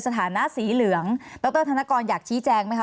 สถานะสีเหลืองดรธนกรอยากชี้แจงไหมคะ